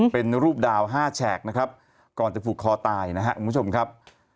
เป็นรูปดาว๕แฉกนะครับก่อนจะผูกคอตายนะครับคุณผู้ชมครับ